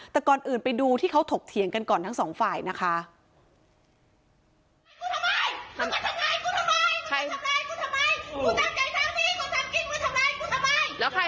แต่ก่อนอื่นไปดูที่เขาถกเถียงกันก่อนทั้งสองฝ่ายนะคะ